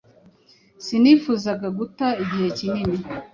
Sinifuzaga guta igihe kinini.